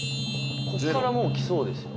こっからもう来そうですよ。